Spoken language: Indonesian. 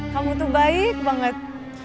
kamu tuh baik banget